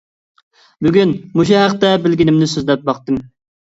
بۈگۈن مۇشۇ ھەقتە بىلگىنىمنى سۆزلەپ باقتىم.